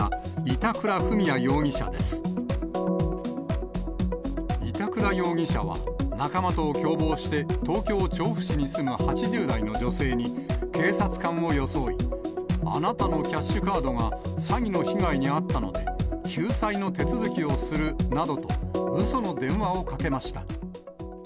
板倉容疑者は、仲間と共謀して東京・調布市に住む８０代の女性に、警察官を装い、あなたのキャッシュカードが詐欺の被害に遭ったので、救済の手続きをするなどと、うその電話をかけました。